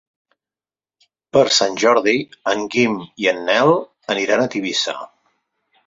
Per Sant Jordi en Guim i en Nel aniran a Tivissa.